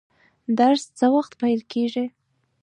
درس څه وخت پیل کیږي؟